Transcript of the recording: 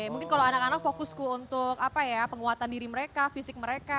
mungkin kalau anak anak fokus ku untuk apa ya penguatan diri mereka fisik mereka